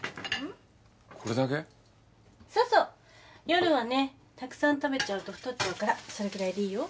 夜はねたくさん食べちゃうと太っちゃうからそれぐらいでいいよ。